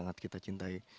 yang sangat kita cintai